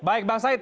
baik bang sakit